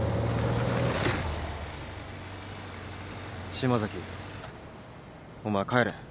島崎お前帰れ。